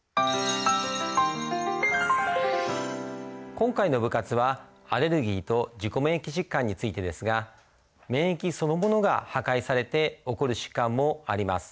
今回の部活はアレルギーと自己免疫疾患についてですが免疫そのものが破壊されて起こる疾患もあります。